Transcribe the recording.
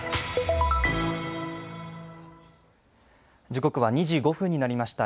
時刻は２時５分になりました。